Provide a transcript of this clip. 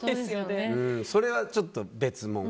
それはちょっと別もん。